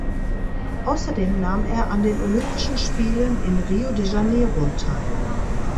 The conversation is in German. Außerdem nahm er an den Olympischen Spielen in Rio de Janeiro teil.